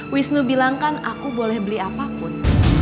wisnu bilang kan aku boleh beli apapun